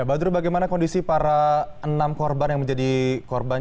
badru bagaimana kondisi para enam korban yang menjadi korban